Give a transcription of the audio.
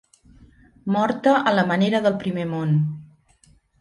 Morta a la manera del primer món.